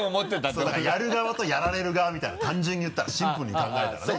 そうだからやる側とやられる側みたいな単純に言ったらシンプルに考えたらね。